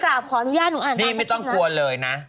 อ่านเลยนี่ไม่ต้องกลัวเลยนะ